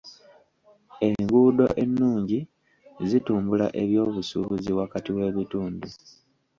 Enguudo ennungi zitumbula eby'obusuubuzi wakati w'ebitundu.